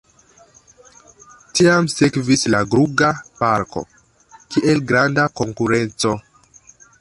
Tiam sekvis la Gruga-Parko kiel granda konkurenco.